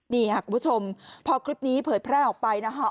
นี่ค่ะคุณผู้ชมพอคลิปนี้เผยแพร่ออกไปนะคะ